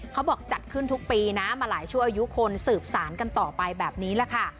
เขาบอกจัดขึ้นทุกปีนะมาหลายชั่วอายุคนสืบสารกันต่อไปแบบนี้แหละค่ะ